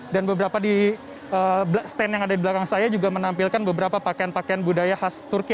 dan beberapa stand yang ada di belakang saya juga menampilkan beberapa pakaian pakaian budaya khas turki